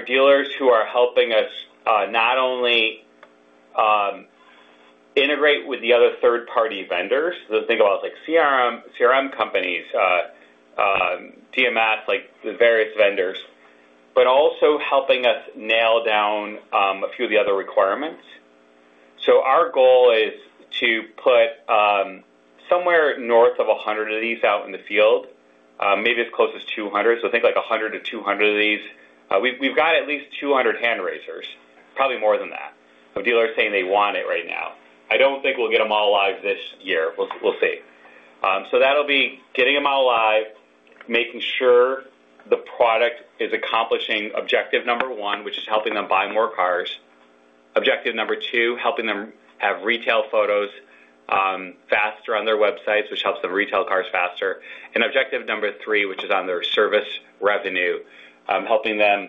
dealers who are helping us not only integrate with the other third-party vendors, so think about like CRM, CRM companies, DMS, like the various vendors, but also helping us nail down a few of the other requirements. Our goal is to put somewhere north of 100 of these out in the field, maybe as close as 200. Think like 100 to 200 of these. We've, we've got at least 200 hand raisers, probably more than that, of dealers saying they want it right now. I don't think we'll get them all live this year. We'll, we'll see. That'll be getting them all live, making sure the product is accomplishing objective number one, which is helping them buy more cars. Objective number two, helping them have retail photos faster on their websites, which helps them retail cars faster. Objective number three, which is on their service revenue, helping them,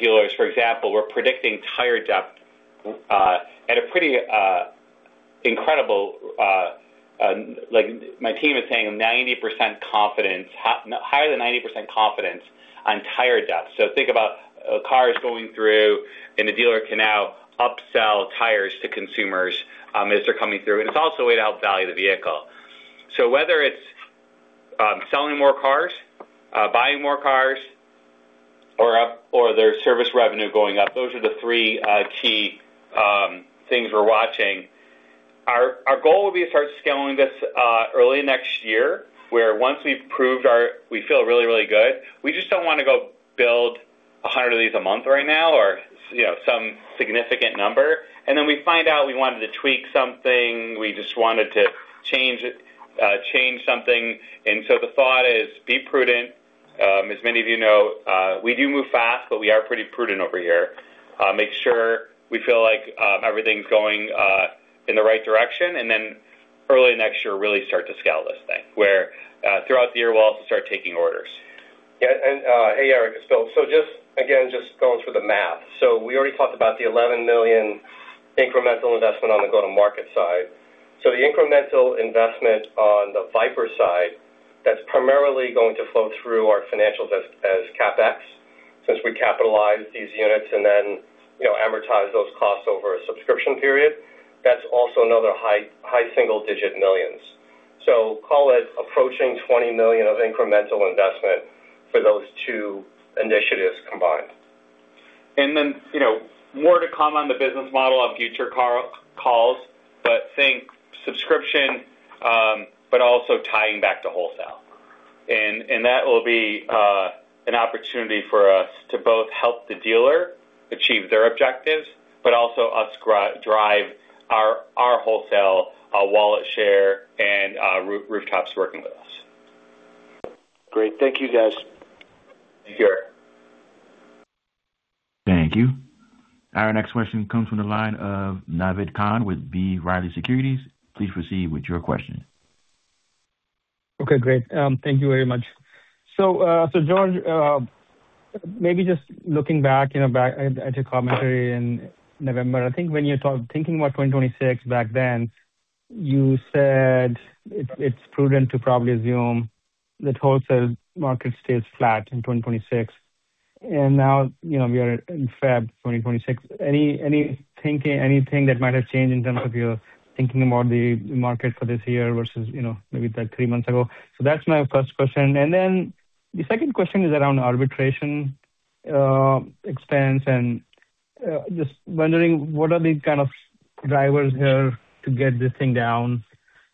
dealers, for example, we're predicting tire depth at a pretty incredible. Like, my team is saying 90% confidence, higher than 90% confidence on tire depth. Think about cars going through, and the dealer can now upsell tires to consumers, as they're coming through, and it's also a way to help value the vehicle. Whether it's selling more cars, buying more cars or up- or their service revenue going up, those are the three key things we're watching. Our goal will be to start scaling this early next year, where once we've proved our... We feel really, really good. We just don't want to go build 100 of these a month right now or, you know, some significant number, and then we find out we wanted to tweak something, we just wanted to change, change something. The thought is be prudent. As many of you know, we do move fast, but we are pretty prudent over here. Make sure we feel like everything's going in the right direction, and then early next year, really start to scale this thing, where throughout the year, we'll also start taking orders. Yeah, and, hey, Eric. Just, again, just going through the math. We already talked about the $11 million incremental investment on the go-to-market side. The incremental investment on the VIPER side, that's primarily going to flow through our financials as CapEx, since we capitalize these units and then, you know, amortize those costs over a subscription period, that's also another high single-digit millions. Call it approaching $20 million of incremental investment for those two initiatives combined. You know, more to come on the business model on future calls, think subscription, but also tying back to wholesale. That will be an opportunity for us to both help the dealer achieve their objectives, but also us drive our, our wholesale, wallet share and rooftops working with us. Great. Thank you, guys. Thank you, Eric. Thank you. Our next question comes from the line of Naved Khan with B. Riley Securities. Please proceed with your question. Okay, great. Thank you very much. George, maybe just looking back, you know, back at your commentary in November. I think when you're talking, thinking about 2026 back then, you said it, it's prudent to probably assume that wholesale market stays flat in 2026, and now, you know, we are in February 2026. Any, any thinking, anything that might have changed in terms of your thinking about the market for this year versus, you know, maybe like three months ago? That's my first question. Then the second question is around arbitration expense. Just wondering, what are the kind of drivers here to get this thing down?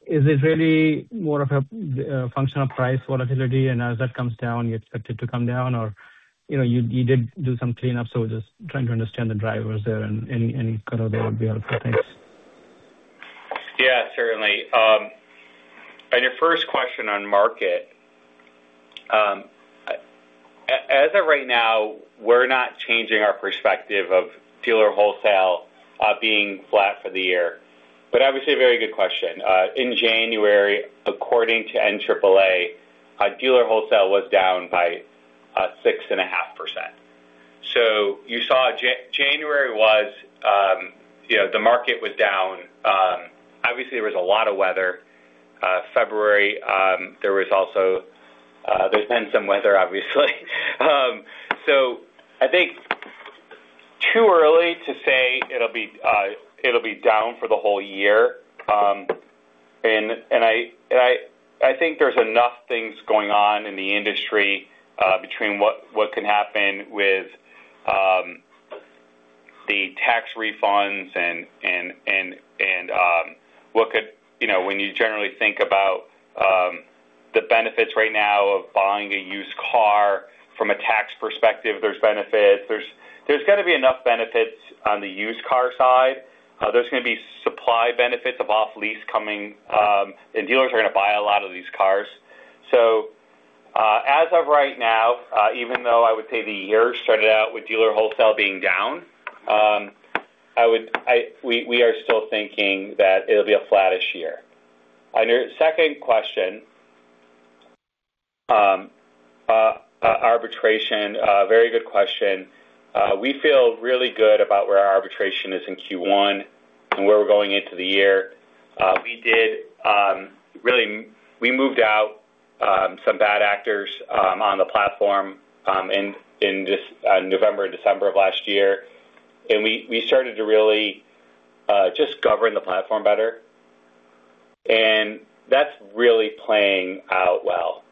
Is it really more of a functional price volatility, and as that comes down, you expect it to come down or, you know, you, you did do some cleanup, so just trying to understand the drivers there and any, any kind of there would be helpful. Thanks. Yeah, certainly. On your first question on market, as of right now, we're not changing our perspective of dealer wholesale, being flat for the year, but obviously, a very good question. In January, according to AAA, dealer wholesale was down by 6.5%. You saw January was, you know, the market was down. Obviously, there was a lot of weather. February, there was also. There's been some weather, obviously. I think too early to say it'll be down for the whole year. I, and I, I think there's enough things going on in the industry, between what, what could happen with, the tax refunds and, and, and, and, what could... You know, when you generally think about the benefits right now of buying a used car from a tax perspective, there's benefits. There's, there's gonna be enough benefits on the used car side. There's gonna be supply benefits of off lease coming, dealers are gonna buy a lot of these cars. As of right now, even though I would say the year started out with dealer wholesale being down, I would, we, we are still thinking that it'll be a flattish year. On your second question, arbitration, a very good question. We feel really good about where our arbitration is in Q1 and where we're going into the year. We did, really, we moved out some bad actors on the platform in, in just November and December of last year. We, we started to really just govern the platform better, and that's really playing out well.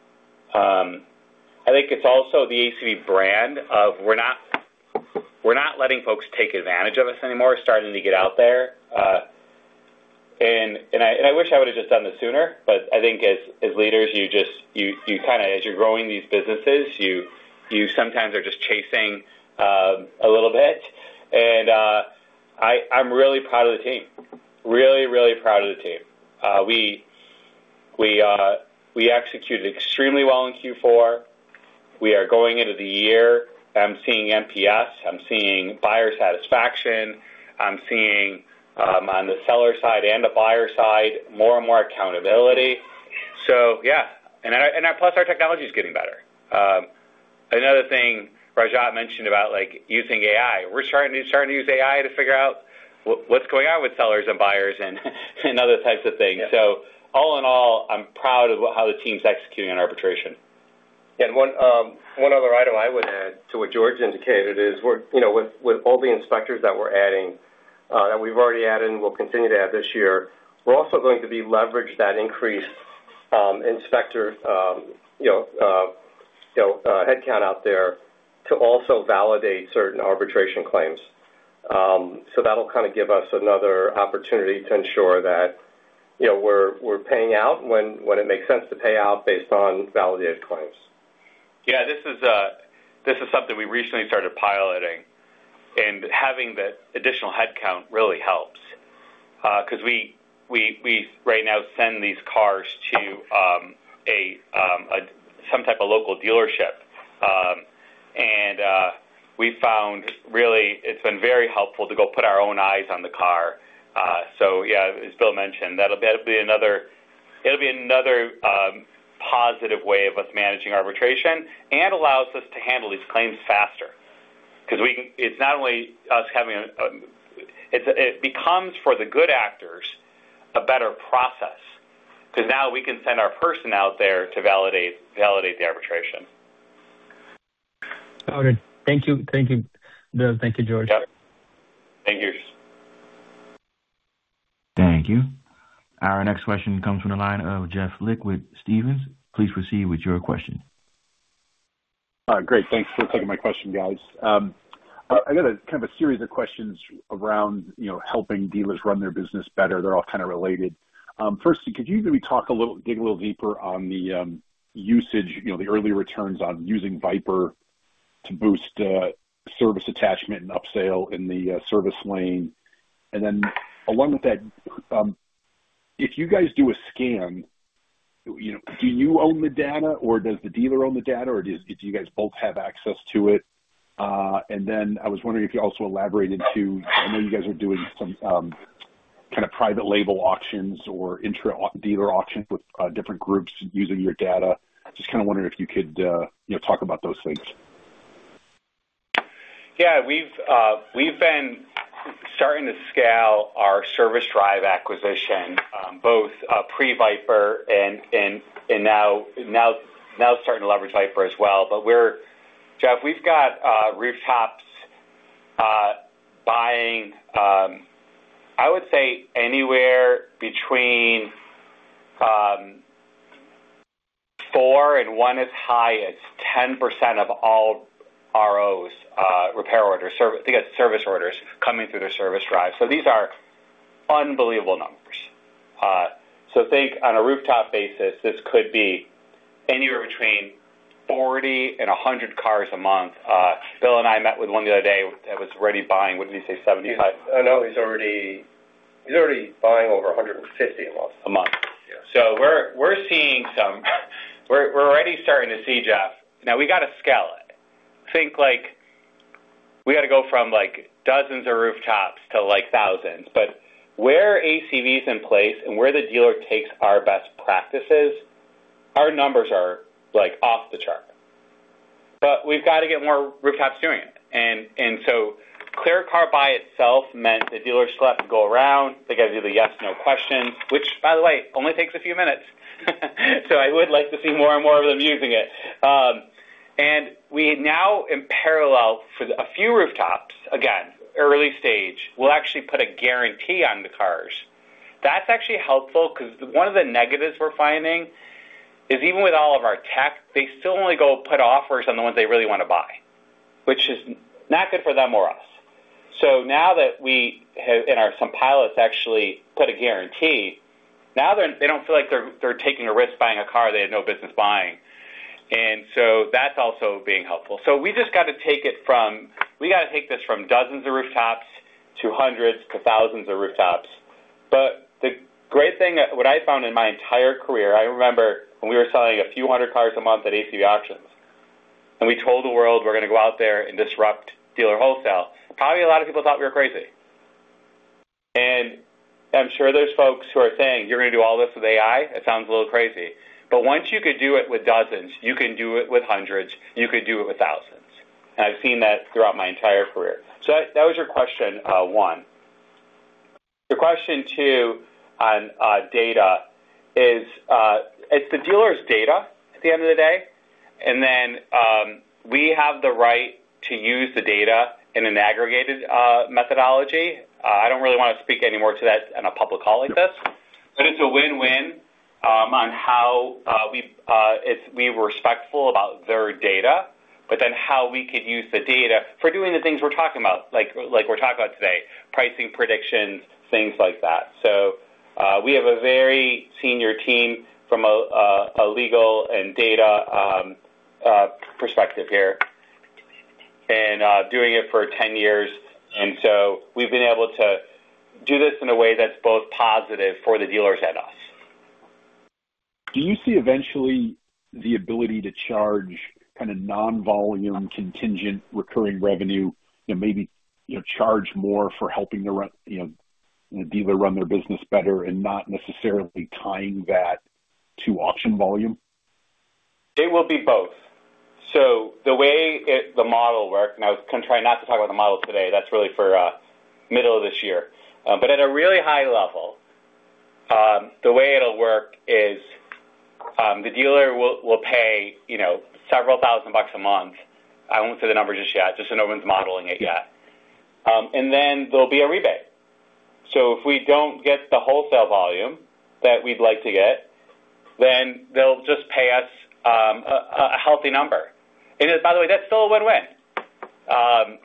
I think it's also the ACV brand of we're not, we're not letting folks take advantage of us anymore, starting to get out there. I, and I wish I would have just done this sooner, but I think as, as leaders, you just, you, you kind of, as you're growing these businesses, you, you sometimes are just chasing a little bit. I, I'm really proud of the team. Really, really proud of the team. We, we, we executed extremely well in Q4. We are going into the year. I'm seeing NPS, I'm seeing buyer satisfaction. I'm seeing on the seller side and the buyer side, more and more accountability. Yeah, and our, and plus, our technology is getting better. Another thing Rajah mentioned about, like, using AI. We're starting to, starting to use AI to figure out what's going on with sellers and buyers and, and other types of things. Yeah. All in all, I'm proud of how the team's executing on arbitration. One, one other item I would add to what George indicated is we're, you know, with, with all the inspectors that we're adding, that we've already added and we'll continue to add this year, we're also going to be leverage that increase, inspector, you know, you know, headcount out there to also validate certain arbitration claims. That'll kind of give us another opportunity to ensure that, you know, we're, we're paying out when, when it makes sense to pay out based on validated claims. Yeah, this is, this is something we recently started piloting, and having the additional headcount really helps, because we right now send these cars to, a, some type of local dealership. We found really it's been very helpful to go put our own eyes on the car. Yeah, as Bill mentioned, that'll be another. It'll be another, positive way of us managing arbitration and allows us to handle these claims faster. We can it's not only us having a, it, it becomes, for the good actors, a better process, because now we can send our person out there to validate, validate the arbitration. Got it. Thank you. Thank you, Bill. Thank you, George. Got it. Thank you. Thank you. Our next question comes from the line of Jeff Lick with Stephens. Please proceed with your question. Great. Thanks for taking my question, guys. I got a kind of a series of questions around, you know, helping dealers run their business better. They're all kind of related. Firstly, could you maybe talk a little, dig a little deeper on the usage, you know, the early returns on using VIPER to boost service attachment and upsale in the service lane? Then along with that, if you guys do a scan, you know, do you own the data, or does the dealer own the data, or do you guys both have access to it? Then I was wondering if you also elaborated to, I know you guys are doing some kind of private label auctions or intra dealer auctions with different groups using your data. Just kind of wondering if you could, you know, talk about those things. Yeah, we've, we've been starting to scale our service drive acquisition, both pre-VIPER and, and, and now, now, now starting to leverage VIPER as well. But we're Jeff, we've got rooftops buying, I would say anywhere between four and one as high as 10% of all ROs, repair orders, think service orders coming through their service drive. So these are unbelievable numbers. So think on a rooftop basis, this could be anywhere between 40 and 100 cars a month. Bill and I met with one the other day that was already buying, what did he say? 75? I know he's already, he's already buying over 150 a month. A month. Yeah. We're, we're seeing some. We're, we're already starting to see, Jeff. Now we got to scale it. Think like we got to go from, like, dozens of rooftops to, like, thousands. Where ACV is in place and where the dealer takes our best practices, our numbers are, like, off the chart. We've got to get more rooftops doing it. ClearCar by itself meant the dealers still have to go around. They give you the yes, no question, which, by the way, only takes a few minutes. I would like to see more and more of them using it. We now in parallel for a few rooftops, again, early stage, we'll actually put a guarantee on the cars. That's actually helpful because one of the negatives we're finding is even with all of our tech, they still only go put offers on the ones they really want to buy, which is not good for them or us. Now that we have, in our some pilots actually put a guarantee, now they, they don't feel like they're, they're taking a risk buying a car they had no business buying. That's also being helpful. We just got to take it from, we got to take this from dozens of rooftops to hundreds, to thousands of rooftops. The great thing, what I found in my entire career, I remember when we were selling a few hundred cars a month at ACV Auctions, and we told the world we're going to go out there and disrupt dealer wholesale. Probably a lot of people thought we were crazy. I'm sure there's folks who are saying, "You're going to do all this with AI? It sounds a little crazy." Once you could do it with dozens, you can do it with hundreds, you could do it with thousands. I've seen that throughout my entire career. That, that was your question, one. The question two on data is it's the dealer's data at the end of the day, and then we have the right to use the data in an aggregated methodology. I don't really want to speak any more to that in a public call like this, but it's a win-win on how we've we were respectful about their data, but then how we could use the data for doing the things we're talking about, like, like we're talking about today, pricing, predictions, things like that. We have a very senior team from a legal and data perspective here, and doing it for 10 years. We've been able to do this in a way that's both positive for the dealers and us. Do you see eventually the ability to charge kind of non-volume, contingent, recurring revenue and maybe, you know, charge more for helping the you know, the dealer run their business better and not necessarily tying that to auction volume? It will be both. The way it, the model works, and I was going to try not to talk about the model today, that's really for middle of this year. But at a really high level, the way it'll work is, the dealer will, will pay, you know, several thousand dollars a month. I won't say the numbers just yet, just so no one's modeling it yet. Then there'll be a rebate. If we don't get the wholesale volume that we'd like to get, then they'll just pay us a, a healthy number. By the way, that's still a win-win.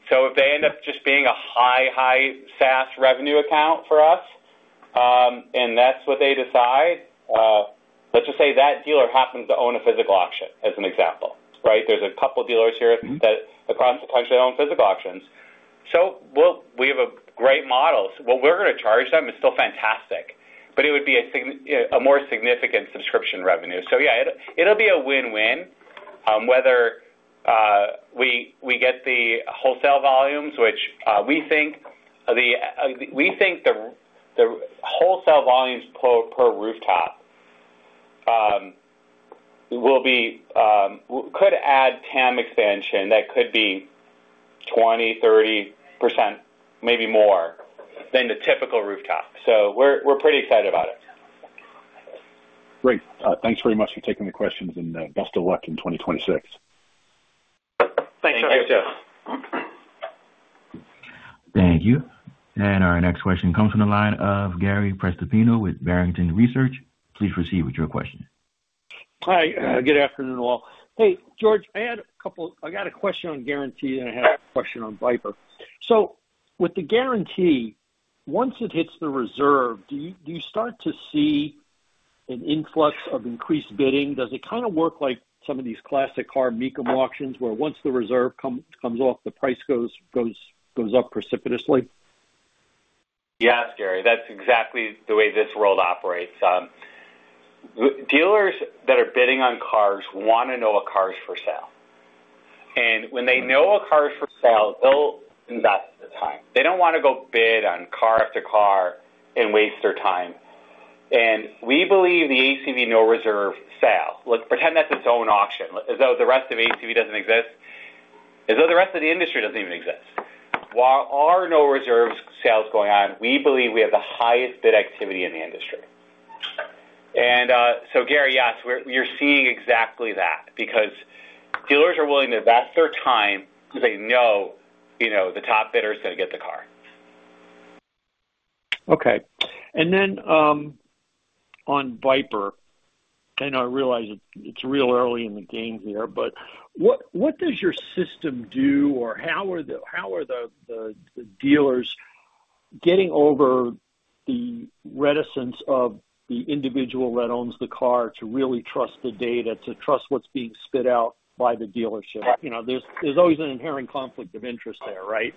If they end up just being a high, high SaaS revenue account for us, and that's what they decide, let's just say that dealer happens to own a physical auction, as an example, right? There's a couple of dealers here- Mm-hmm. that across the country, own physical auctions. We'll. We have a great model. What we're going to charge them is still fantastic, but it would be a more significant subscription revenue. Yeah, it, it'll be a win-win, whether we get the wholesale volumes, which we think the, we think the, the wholesale volumes per, per rooftop, will be, could add TAM expansion. That could be 20%, 30%, maybe more than the typical rooftop. We're, we're pretty excited about it. Great. Thanks very much for taking the questions, and best of luck in 2026. Thank you, Jeff. Thank you. Our next question comes from the line of Gary Prestopino with Barrington Research. Please proceed with your question. Hi, good afternoon, all. Hey, George, I had a couple... I got a question on Guarantee, and I have a question on VIPER. With the Guarantee, once it hits the reserve, do you start to see an influx of increased bidding? Does it kind of work like some of these classic car Mecum Auctions, where once the reserve comes off, the price goes up precipitously? Yes, Gary, that's exactly the way this world operates. Dealers that are bidding on cars want to know a car is for sale. When they know a car is for sale, they'll invest the time. They don't want to go bid on car after car and waste their time. We believe the ACV no reserve sale, let's pretend that's its own auction, as though the rest of ACV doesn't exist, as though the rest of the industry doesn't even exist. While our no reserves sales going on, we believe we have the highest bid activity in the industry. Gary, yes, we're-- we're seeing exactly that, because dealers are willing to invest their time because they know, you know, the top bidder is going to get the car. Okay. Then on VIPER, and I realize it's, it's real early in the game here, but what, what does your system do or how are the dealers getting over the reticence of the individual that owns the car to really trust the data, to trust what's being spit out by the dealership? You know, there's, there's always an inherent conflict of interest there, right?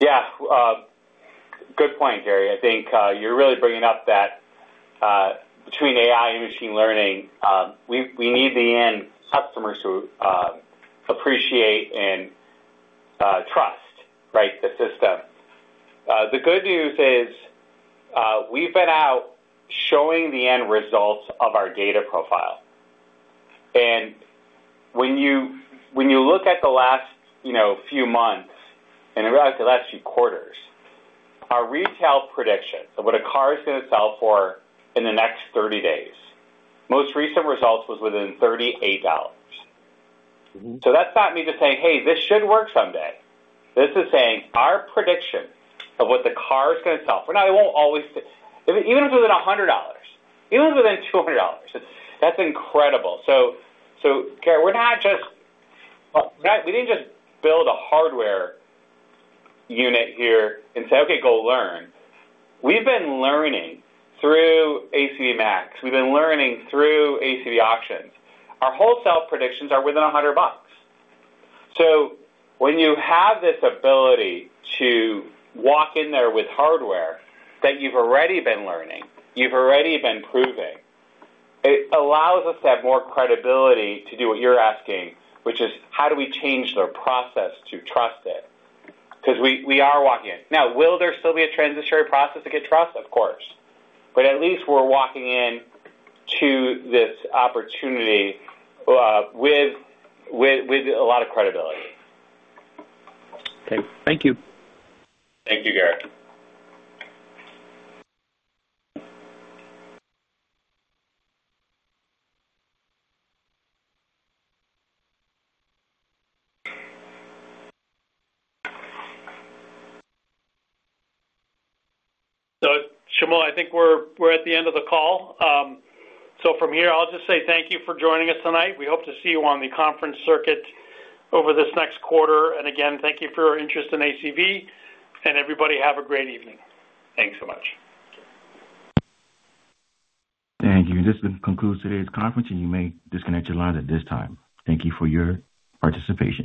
Yeah. Good point, Gary. I think you're really bringing up that between AI and machine learning, we, we need the end customers to appreciate and trust, right, the system. The good news is, we've been out showing the end results of our data profile. When you, when you look at the last, you know, few months, and really the last few quarters, our retail predictions of what a car is going to sell for in the next 30 days, most recent results was within $38. Mm-hmm. That's not me just saying, "Hey, this should work someday." This is saying, our prediction of what the car is going to sell for. Now, it won't always fit. Even if within $100, even within $200, that's incredible. Gary, we're not just... We didn't just build a hardware unit here and say, "Okay, go learn." We've been learning through ACV MAX. We've been learning through ACV Auctions. Our wholesale predictions are within $100. When you have this ability to walk in there with hardware that you've already been learning, you've already been proving, it allows us to have more credibility to do what you're asking, which is how do we change their process to trust it? Because we, we are walking in. Now, will there still be a transitory process to get trust? Of course, but at least we're walking in to this opportunity, with, with, with a lot of credibility. Okay. Thank you. Thank you, Gary. Shamil, I think we're, we're at the end of the call. From here, I'll just say thank you for joining us tonight. We hope to see you on the conference circuit over this next quarter. Again, thank you for your interest in ACV, and everybody, have a great evening. Thanks so much. Thank you. This concludes today's conference, and you may disconnect your line at this time. Thank you for your participation.